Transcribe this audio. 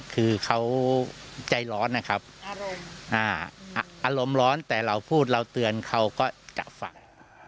คือเขาใจร้อนนะครับอารมณ์ร้อนแต่เราพูดเราเตือนเขาก็จะฟัง